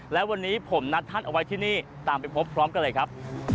และวันนี้ผมนัดท่านเอาไว้ที่นี่ตามไปพบพร้อมกันเลยครับ